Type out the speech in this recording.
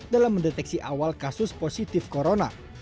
dalam mendeteksi awal kasus positif corona